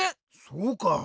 そうか。